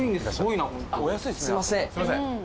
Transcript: すいません。